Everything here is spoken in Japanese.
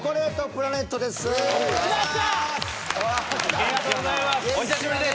ありがとうございます。